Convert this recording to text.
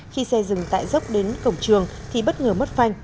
khi xe dừng tại dốc đến cổng trường thì bất ngờ mất phanh